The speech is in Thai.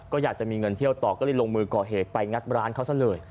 ก็อยากจะมีเงินเที่ยวต่อก็เลยลงมือก่อเหตุไปงัดร้านเขาซะเลย